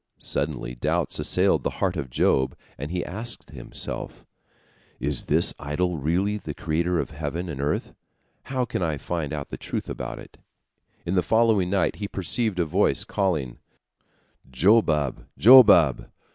Suddenly doubts assailed the heart of Job, and he asked himself: "Is this idol really the creator of heaven and earth? How can I find out the truth about it?" In the following night he perceived a voice calling: "Jobab! Jobab!